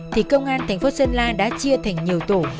thì công an tp sơn la đã chia thành nhiều tổ